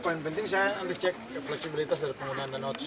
poin penting saya untuk cek fleksibilitas dari penggunaan dana otsus